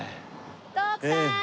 徳さーん！